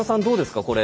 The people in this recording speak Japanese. どうですか？